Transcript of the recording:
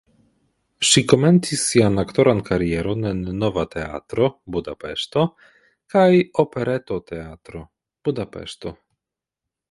Ŝi komencis sian aktoran karieron en Nova Teatro (Budapeŝto) kaj Operetoteatro (Budapeŝto).